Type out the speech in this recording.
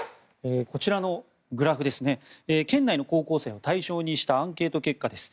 こちらのグラフ県内の高校生を対象にしたアンケート結果です。